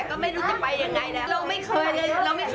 แต่มีปีนี้เราทนไม่ไหวแล้ว